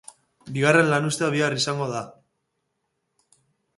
Bigarren lanuztea bihar izango da.